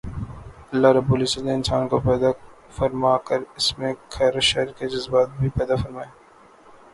اللہ رب العزت نے انسان کو پیدا فرما کر اس میں خیر و شر کے جذبات بھی پیدا فرمائے